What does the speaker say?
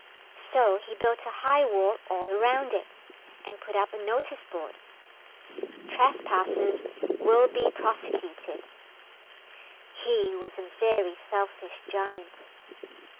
So he built a high wall all round it, and put up a notice board. TRESPASSERS WILL BE PROSECUTED He was a very selfish Giant.